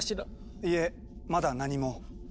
いえまだ何も。